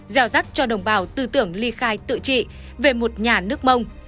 gieo rắt cho đồng bào tư tưởng ly khai tự trị về một nhà nước mông